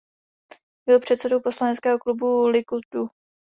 Byl předsedou poslaneckého klubu Likudu.